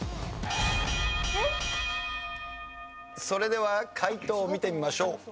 それでは解答を見てみましょう。